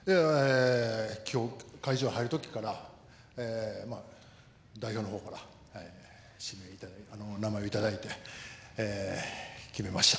今日、会場に入るときから代表の方から名前をいただいて、決めました。